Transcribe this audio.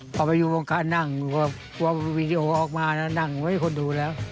พอไปอยู่วงการนั่งกลัววีดีโอออกมานั่งไว้คนดูแล้ว